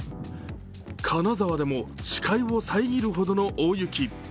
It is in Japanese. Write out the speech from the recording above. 金沢でも、視界を遮るほどの大雪。